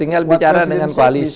tinggal bicara dengan koalisi